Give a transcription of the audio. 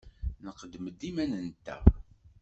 Nqeddem-d iman-nteɣ.